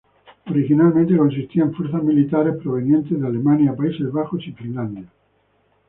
Originalmente consistía en fuerzas militares provenientes de Alemania, Países Bajos y Finlandia.